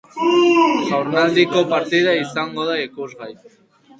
Jardunaldiko partida izango da ikusgai.